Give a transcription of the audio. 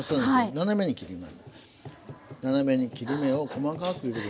斜めに切り目を細かく入れて。